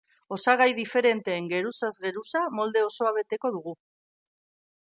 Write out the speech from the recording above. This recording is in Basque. Osagai diferenteen geruzaz geruza molde osoa beteko dugu.